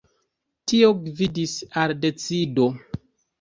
Tio gvidis al decido.